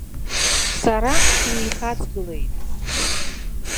Сара сҩеихаҵгылеит.